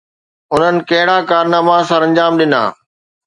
انهن ڪهڙا ڪارناما سرانجام ڏنا؟